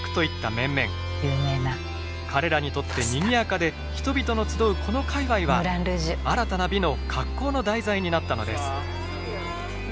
彼らにとってにぎやかで人々の集うこの界わいは新たな美の格好の題材になったのです。